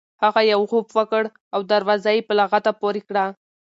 هغه یو غوپ وکړ او دروازه یې په لغته پورې کړه.